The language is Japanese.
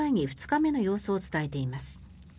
２日目の様子を伝えています。